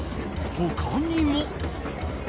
他にも。